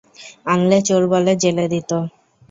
আনলে চোর বলে জেলে দিত।